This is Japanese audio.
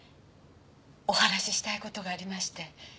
お話ししたいことがありまして。